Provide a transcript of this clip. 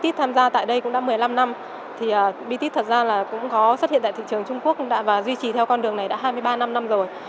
các doanh nghiệp cũng có xuất hiện tại thị trường trung quốc và duy trì theo con đường này đã hai mươi ba năm năm rồi